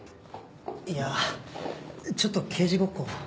いやちょっと刑事ごっこを。